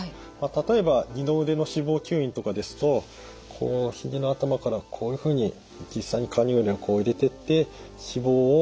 例えば二の腕の脂肪吸引とかですとこう肘の頭からこういうふうに実際にカニューレをこう入れてって脂肪を